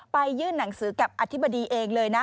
ยื่นหนังสือกับอธิบดีเองเลยนะ